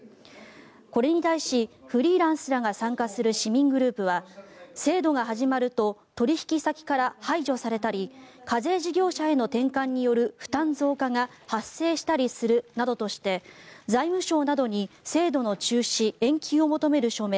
これに対しフリーランスらが参加する市民グループは制度が始まると取引先から排除されたり課税事業者への転換による負担増加が発生したりするなどとして財務省などに制度の中止・延期を求める署名